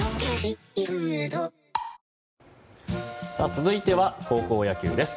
続いては高校野球です。